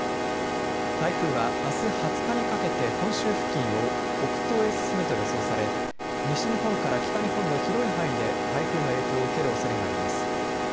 台風は、あす２０日にかけて本州付近を北東へ進むと予想され西日本から北日本の広い範囲で台風の影響を受けるおそれがあります。